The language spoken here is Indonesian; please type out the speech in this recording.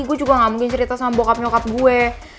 gue juga gak mungkin cerita sama mokap nyokap gue